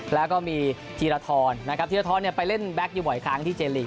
แล้วก็มีทีระทรทีระทรไปเล่นแบ๊กอยู่บ่อยค้างที่เจนลีก